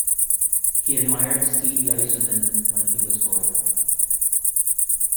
He admired Steve Yzerman when he was growing up.